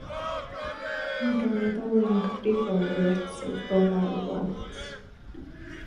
Mae gan oedolion cyfrifol ddyletswydd gofal i blant.